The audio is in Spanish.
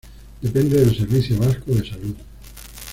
Depende del Servicio Vasco de Salud.